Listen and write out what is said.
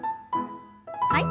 はい。